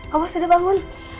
pak bos udah bangun